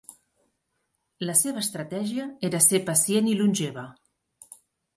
La seva estratègia era ser pacient i longeva.